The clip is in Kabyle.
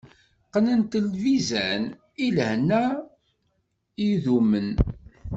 Qqnent lbizan, i lehna idumen.